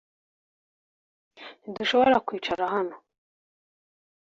Ntidushobora kwicara hano .